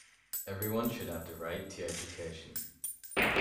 Everyone should have the right to education.